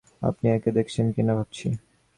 আপনি একে দেখেছেন কিনা ভাবছি।